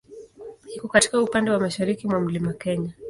Iko katika upande wa mashariki mwa Mlima Kenya.